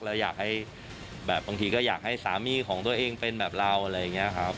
เราอยากให้แบบบางทีก็อยากให้สามีของตัวเองเป็นแบบเราอะไรอย่างนี้ครับ